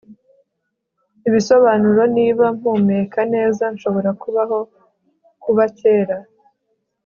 ibisobanuro niba mpumeka neza nshobora kubaho kuba kera